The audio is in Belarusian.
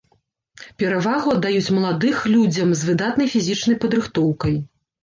Перавагу аддаюць маладых людзям з выдатнай фізічнай падрыхтоўкай.